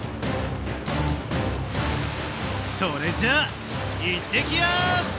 それじゃ行ってきやす！